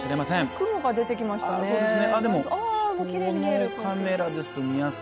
雲が出てきましたね。